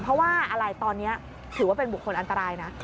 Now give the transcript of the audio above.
เพราะว่าอะไรตอนนี้ถือว่าเป็นบุคคลอันตรายนะ